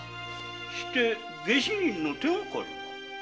下手人の手がかりは？